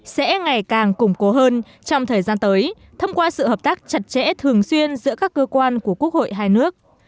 sẽ ngày càng củng cố hơn trong thời gian tới thông qua sự hợp tác chặt chẽ thường xuyên giữa các cơ quan của quốc hội hai nước